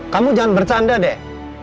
kamu jangan bercanda deh